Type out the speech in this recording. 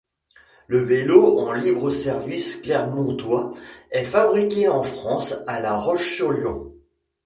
Le vélo en libre-service clermontois est fabriqué en France à La Roche-sur-Yon.